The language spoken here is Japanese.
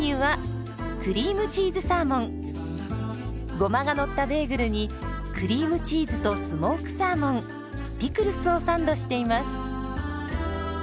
ゴマがのったベーグルにクリームチーズとスモークサーモンピクルスをサンドしています。